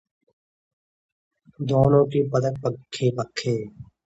विश्व चैम्पियनशिप: सिंधु और प्रणीत सेमीफाइनल में, दोनों के पदक पक्के